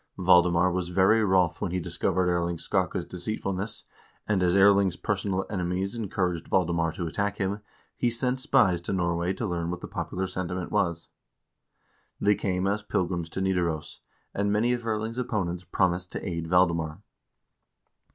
Valdemar was very wroth when he discovered Erling Skakke's deceitfulness, and as Erling's personal enemies encouraged Valdemar to attack him, he sent spies to Norway to learn what the popular sentiment was. They came as pilgrims to Nidaros, and many of Erling's opponents promised to aid Valdemar.